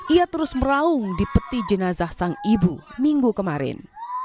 ia terus meraung di peti jenazah sang ibu minggu kemarin